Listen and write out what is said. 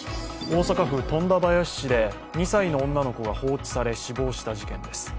大阪府富田林市で２歳の女の子が放置され死亡した事件です。